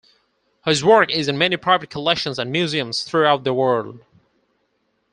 His work is in many private collections and museums throughout the world.